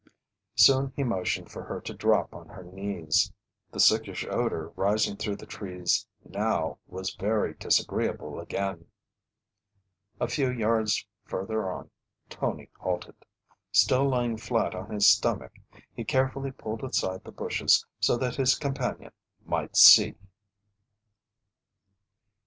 Soon he motioned for her to drop on her knees. The sickish odor rising through the trees now was very disagreeable again. A few yards farther on, Tony halted. Still lying flat on his stomach, he carefully pulled aside the bushes so that his companion might see.